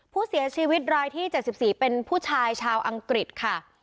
ผู้เสียชีวิตรายที่๗๔เป็นผู้ชายชาวอังกฤษค่ะ